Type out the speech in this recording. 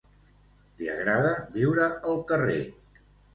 Li agrada viure al carrer.